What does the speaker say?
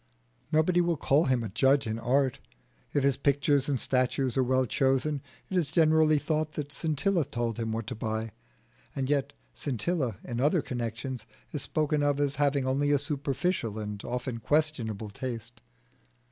Nobody will call him a judge in art. If his pictures and statues are well chosen it is generally thought that Scintilla told him what to buy; and yet Scintilla in other connections is spoken of as having only a superficial and often questionable taste.